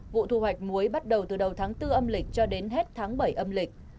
vụ thu hoạch muối bắt đầu từ đầu tháng bốn âm lịch cho đến hết tháng bảy âm lịch